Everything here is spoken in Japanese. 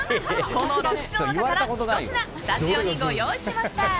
この６品の中から１品スタジオにご用意しました。